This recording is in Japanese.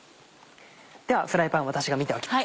ではフライパンは私が見ておきます。